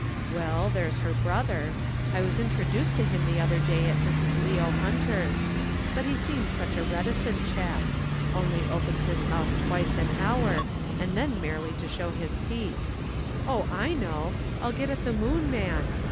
"Well, there's her brother. I was introduced to him the other day at Mrs. Leo Hunter's. But he seems such a reticent chap. Only opens his mouth twice an hour, and then merely to show his teeth. Oh, I know! I'll get at the Moon man.